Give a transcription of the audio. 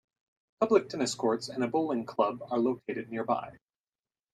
Public tennis courts and a bowling club are located nearby.